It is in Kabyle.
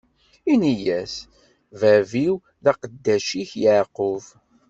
Ini-yas: Bab-iw, d aqeddac-ik Yeɛqub.